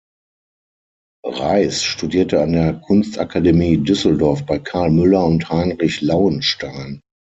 Reiss studierte an der Kunstakademie Düsseldorf bei Karl Müller und Heinrich Lauenstein.